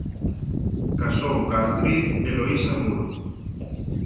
Casou coa actriz Eloísa Muro.